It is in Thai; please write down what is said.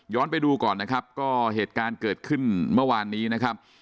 ไปดูก่อนนะครับก็เหตุการณ์เกิดขึ้นเมื่อวานนี้นะครับ